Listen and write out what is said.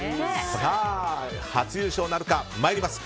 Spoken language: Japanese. さあ、初優勝なるか。まいります。